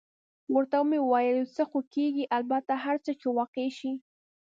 ورته مې وویل: یو څه خو کېږي، البته هر څه چې واقع شي.